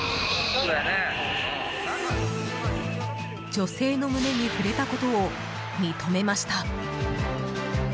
女性の胸に触れたことを認めました。